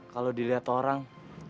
kalau dilihat orang